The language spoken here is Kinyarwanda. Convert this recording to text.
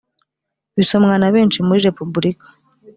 bisomwa na benshi muri repubulika